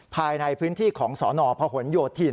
ภายในพื้นที่ของสนพหนโยธิน